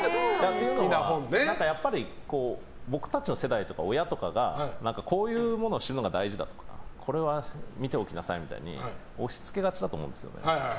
やっぱり、僕たちの世代とかは親とかがこういうものを知るのが大事とかこれは見ておきなさいみたいに押し付けがちだと思うんですよ。